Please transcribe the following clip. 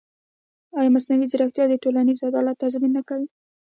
ایا مصنوعي ځیرکتیا د ټولنیز عدالت تضمین نه کوي؟